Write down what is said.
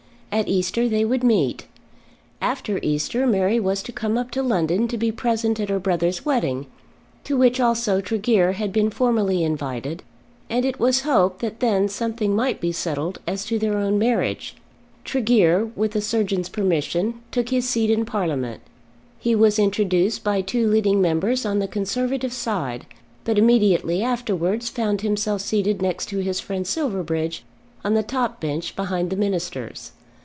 At Easter they would meet. After Easter Mary was to come up to London to be present at her brother's wedding, to which also Tregear had been formally invited; and it was hoped that then something might be settled as to their own marriage. Tregear, with the surgeon's permission, took his seat in Parliament. He was introduced by two leading Members on the Conservative side, but immediately afterwards found himself seated next to his friend Silverbridge on the top bench behind the ministers.